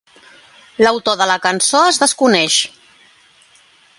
L'autor de la cançó es desconeix.